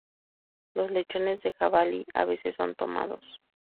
Los lechones de jabalí a veces son tomados.